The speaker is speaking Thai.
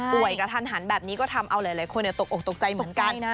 กระทันหันแบบนี้ก็ทำเอาหลายคนตกออกตกใจเหมือนกัน